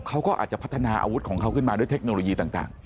เขาก็อาจจะพัฒนาอาวุธของเขาขึ้นมาด้วยเทคโนโลยีต่าง